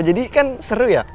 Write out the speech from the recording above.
jadi kan seru ya